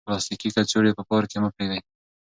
پلاستیکي کڅوړې په پارک کې مه پریږدئ.